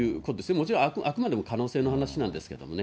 もちろんあくまでも可能性の話なんですけれどもね。